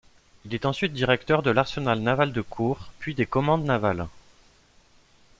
Il est ensuite directeur de l'arsenal naval de Kure, puis des commandes navales.